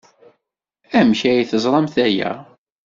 Amek ay teẓramt aya?